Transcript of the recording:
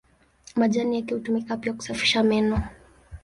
Majani yake hutumika pia kusafisha meno.